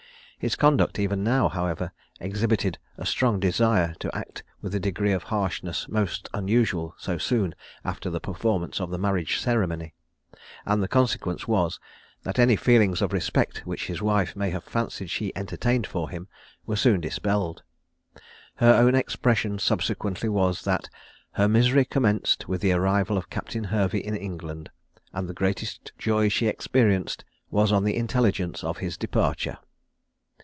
His conduct even now, however, exhibited a strong desire to act with a degree of harshness most unusual so soon after the performance of the marriage ceremony; and the consequence was that any feelings of respect which his wife may have fancied she entertained for him were soon dispelled. Her own expression subsequently was that "her misery commenced with the arrival of Captain Hervey in England; and the greatest joy she experienced was on the intelligence of his departure."